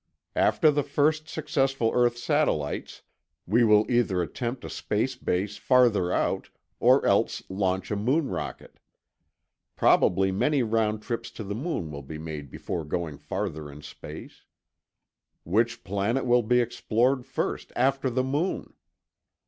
After the first successful earth satellites, we will either attempt a space base farther out or else launch a moon rocket. Probably many round trips to the moon will be made before going farther in space. Which planet will be explored first, after the moon?